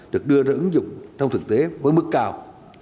được đưa ra ứng dụng trong thực tế với mức cao